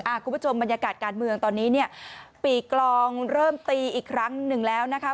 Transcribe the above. คุณผู้ชมบรรยากาศการเมืองตอนนี้เนี่ยปีกลองเริ่มตีอีกครั้งหนึ่งแล้วนะคะ